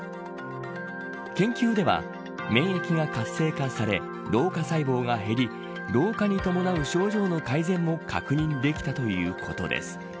研究では、免疫が活性化され老化細胞が減り老化に伴う症状の改善を確認できたということです。